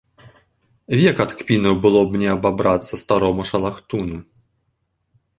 Век ад кпінаў было б не абабрацца старому шалахтуну.